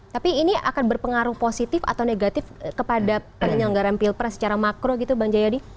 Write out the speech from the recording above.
tapi ini akan berpengaruh positif atau negatif kepada penyelenggaraan pilpres secara makro gitu bang jayadi